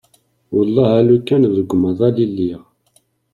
Wellah alukan deg umaḍal i lliɣ.